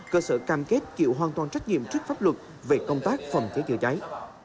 cơ sở cam kết chịu hoàn toàn trách nhiệm trước pháp luật về công tác phòng cháy chữa cháy